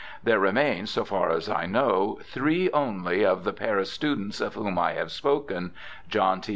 There remain, so far as I know, three only of the Paris students of whom I have spoken, John T.